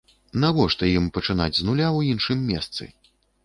Навошта ім пачынаць з нуля ў іншым месцы?